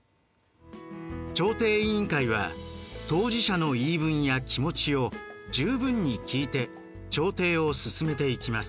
調停委員会は当事者の言い分や気持ちを十分に聞いて調停を進めていきます。